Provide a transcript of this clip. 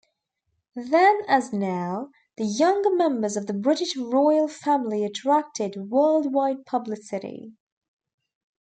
Then as now, the younger members of the British Royal Family attracted worldwide publicity.